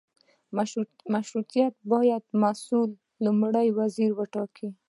مشروطیت باید مسوول لومړی وزیر وټاکي.